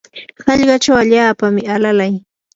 hallqachaw allaapami alalay.